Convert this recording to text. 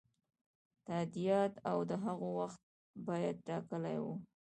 تادیات او د هغو وخت باید ټاکلی وي.